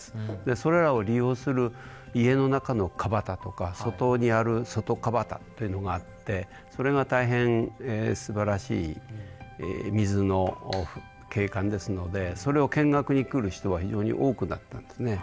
それらを利用する家の中の川端とか外にある外川端というのがあってそれが大変すばらしい水の景観ですのでそれを見学に来る人が非常に多くなったんですね。